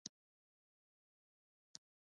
د سهار لمونځ په جومات کې کول غوره دي.